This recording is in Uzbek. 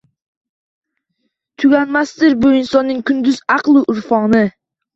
Tuganmasdir bu insonning kunduz aqlu urfoni